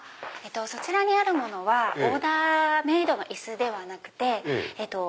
そちらにあるものはオーダーメイドの椅子ではなくて。